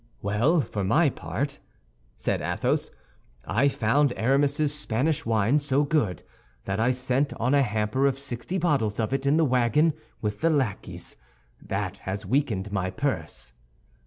"Well, for my part," said Athos, "I found Aramis's Spanish wine so good that I sent on a hamper of sixty bottles of it in the wagon with the lackeys. That has weakened my purse."